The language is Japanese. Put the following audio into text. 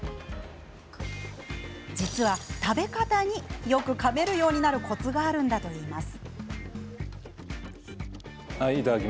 実は、食べ方によくかめるようになるコツがあるといいます。